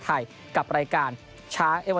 ทีมแชมป์จะได้ตัวเครื่องบิล